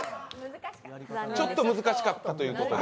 ちょっと難しかったということで。